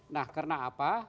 nah karena apa